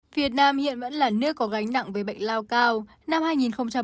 việt nam hiện vẫn là nước có gánh nặng với bệnh lao cao